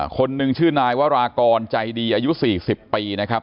คนหนึ่งชื่อนายวรากรใจดีอายุ๔๐ปีนะครับ